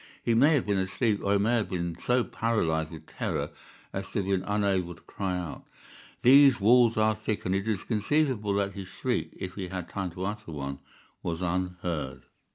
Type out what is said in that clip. He may have been asleep, or he may have been so paralyzed with terror as to have been unable to cry out. These walls are thick, and it is conceivable that his shriek, if he had time to utter one, was unheard.